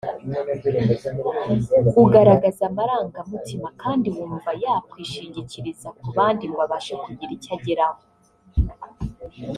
ugaragaza amarangamutima kandi wumva yakwishingirikiriza ku bandi ngo abashe kugira icyo ageraho